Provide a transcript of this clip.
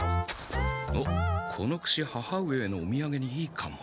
おっこのくし母上へのおみやげにいいかも。